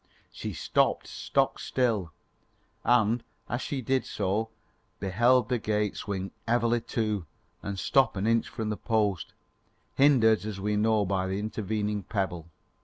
She stopped stock still, and, as she did so, beheld the gate swing heavily to and stop an inch from the post, hindered as we know by the intervening pebble.